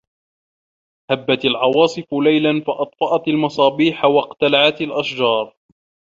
هَبَّتْ الْعَوَاصِفُ لَيْلًا فَأَطْفَأْتِ الْمَصَابِيحَ وَاِقْتَلَعْتِ الْأَشْجَارَ.